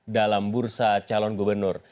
dalam bursa calon gubernur